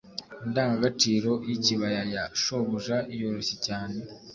indangagaciro y'ikibaya ya shobuja yoroshye cyane